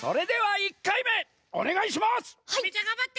ゆめちゃんがんばって！